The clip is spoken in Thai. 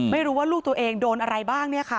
ไม่รู้ว่าลูกตัวเองโดนอะไรบ้างเนี่ยค่ะ